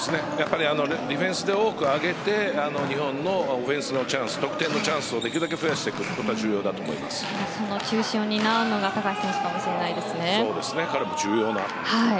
ディフェンスで多く上げて日本のオフェンスのチャンス得点のチャンスをできるだけ増やしていくことがその中心を担うのが高橋選手かもしれないですね。